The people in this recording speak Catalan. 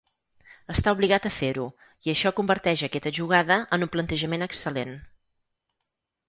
Està obligat a fer-ho, i això converteix aquesta jugada en un plantejament excel·lent.